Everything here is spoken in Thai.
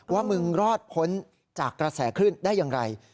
ว่ามึงรอดพ้นจากกระแสคลื่นได้อย่างไร